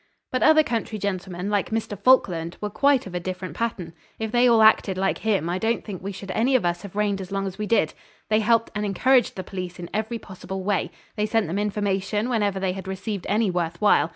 But other country gentlemen, like Mr. Falkland, were quite of a different pattern. If they all acted like him I don't think we should any of us have reigned as long as we did. They helped and encouraged the police in every possible way. They sent them information whenever they had received any worth while.